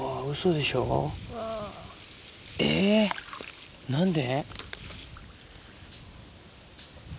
えっ何で？